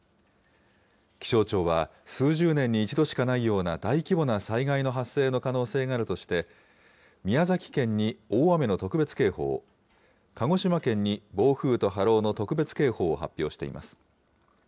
気象庁は数十年に一度しかないような大規模な災害の発生の可能性があるとして、宮崎県に大雨の特別警報を、鹿児島県に暴風と波浪の特別警報を発表しています。